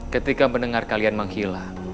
ketika mendengar kalian menghilang